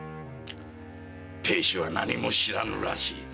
亭主は何も知らぬらしいな。